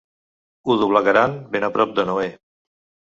Ho doblegaran ben a prop de Noè.